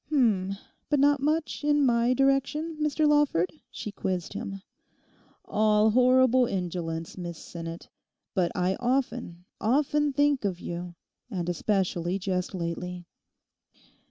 'H'm, but not much in my direction, Mr Lawford?' she quizzed him. 'All horrible indolence, Miss Sinnet. But I often—often think of you; and especially just lately.